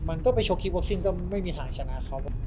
ถ้าเราไปชกคลิปโพสซิ่งก็ไม่มีทางชนะเขา